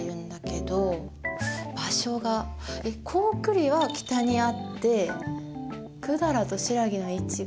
高句麗は北にあって百済と新羅の位置が。